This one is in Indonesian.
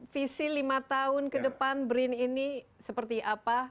visi lima tahun ke depan brin ini seperti apa